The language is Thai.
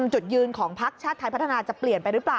จุดยืนของพักชาติไทยพัฒนาจะเปลี่ยนไปหรือเปล่า